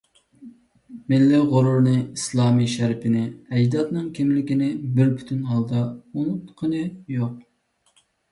مىللىي غورۇرىنى، ئىسلامىي شەرىپىنى، ئەجدادىنىڭ كىملىكىنى بىر پۈتۈن ھالدا ئۇنۇتقىنى يوق.